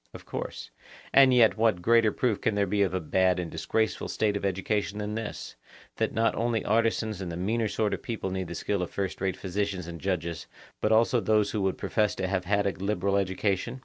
Of course. And yet what greater proof can there be of a bad and disgraceful state of education than this, that not only artisans and the meaner sort of people need the skill of first rate physicians and judges, but also those who would profess to have had a liberal education?